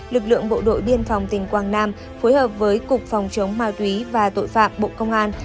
lực lượng bộ đội biên phòng tỉnh quảng nam phối hợp với cục phòng chống ma túy và tội phạm bộ công an